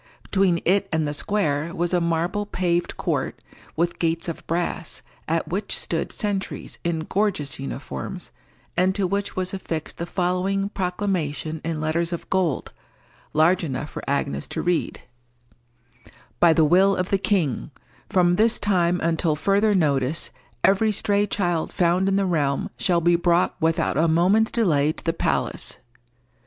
Between it and the square was a marble paved court, with gates of brass, at which stood sentries in gorgeous uniforms, and to which was affixed the following proclamation in letters of gold, large enough for Agnes to read:— "By the will of the King, from this time until further notice, every stray child found in the realm shall be brought without a moment's delay to the palace.